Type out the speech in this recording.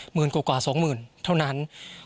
หมื่นกว่าสองหมื่นเท่านั้น